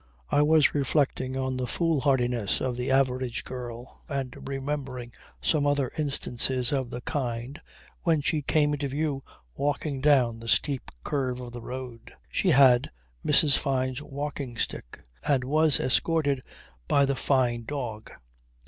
I was reflecting on the foolhardiness of the average girl and remembering some other instances of the kind, when she came into view walking down the steep curve of the road. She had Mrs. Fyne's walking stick and was escorted by the Fyne dog.